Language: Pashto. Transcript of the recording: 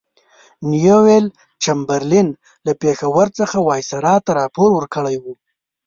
نیویل چمبرلین له پېښور څخه وایسرا ته راپور ورکړی وو.